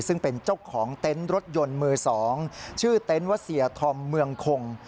ซึ่งเป็นเจ้าของเต็นต์รถยนต์มือ๒ชื่อเต็นต์ว่าเสียธอมเมืองคง